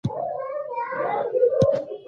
مېلې د ځوانانو د خلاقیت څرګندولو فرصت ورکوي.